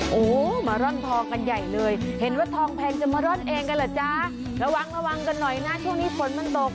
โอ้โหมาร่อนทองกันใหญ่เลยเห็นว่าทองแพงจะมาร่อนเองกันเหรอจ๊ะระวังระวังกันหน่อยนะช่วงนี้ฝนมันตก